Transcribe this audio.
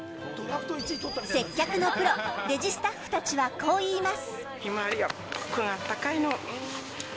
接客のプロレジスタッフ達はこう言います。